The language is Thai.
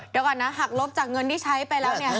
เดี๋ยวก่อนนะหักลบจากเงินที่ใช้ไปแล้วเนี่ย